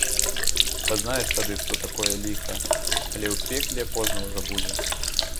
Пазнаеш тады, што такое ліха, але ў пекле позна ўжо будзе.